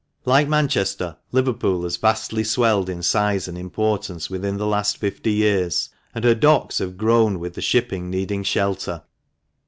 Like Manchester, Liverpool has vastly swelled in size and importance within the last fifty years, and her docks have grown with the shipping needing shelter.